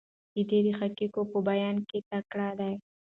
دی د حقایقو په بیان کې تکړه دی.